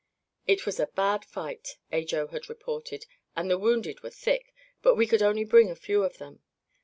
"It was a bad fight," Ajo had reported, "and the wounded were thick, but we could only bring a few of them.